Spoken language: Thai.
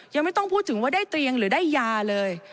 ยังไม่ต้องพูดถึงว่าได้เตียงหรือได้ยาเลย